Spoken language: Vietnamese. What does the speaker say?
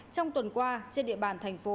trong tuần qua trên địa bàn thành phố